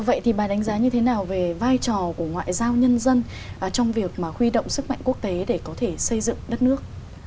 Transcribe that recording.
vậy thì bà đánh giá như thế nào về vai trò của ngoại giao nhân dân trong việc mà huy động sức mạnh quốc tế để có thể xây dựng đất nước